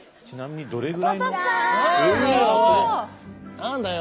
何だよ